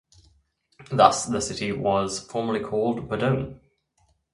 Thus, the city was formerly called Badung.